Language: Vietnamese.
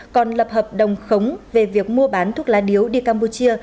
còn lập hợp đồng khống về việc mua bán thuốc lá điếu đi campuchia